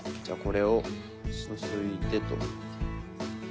じゃあこれを注いでと。